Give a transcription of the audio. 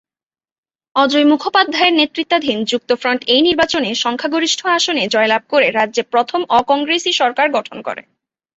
অজয় মুখোপাধ্যায়ের নেতৃত্বাধীন যুক্তফ্রন্ট এই নির্বাচনে সংখ্যাগরিষ্ঠ আসনে জয়লাভ করে রাজ্যে প্রথম অ-কংগ্রেসি সরকার গঠন করে।